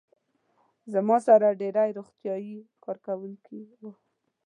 زما سره ډېری روغتیايي کارکوونکي وو.